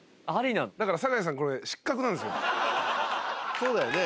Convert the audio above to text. そうだよね？